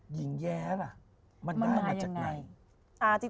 แย้ล่ะมันได้มาจากไหน